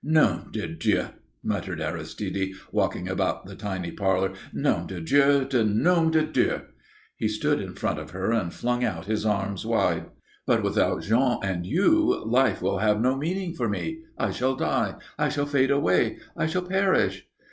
"Nom de Dieu!" muttered Aristide, walking about the tiny parlour. "Nom de Dieu de nom de Dieu!" He stood in front of her and flung out his arms wide. "But without Jean and you life will have no meaning for me. I shall die. I shall fade away. I shall perish.